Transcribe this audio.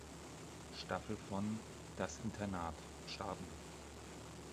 Staffel von "Das Internat" starten.